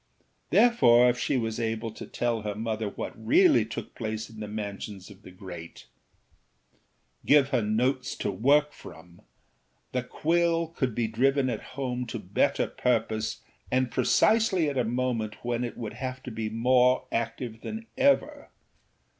Therefore if she was able to tell her mother what really took place in the mansions of the great, give her notes to work from, the quill could be driven at home to better purpose and precisely at a moment when it would have to be more active than ever.